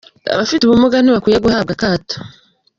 Abafite ubumuga ntibakwiye guhabwa akato